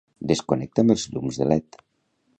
Desconnecta'm els llums de led.